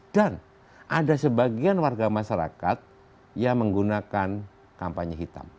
dan ada sebagian warga masyarakat yang menggunakan kampanye hitam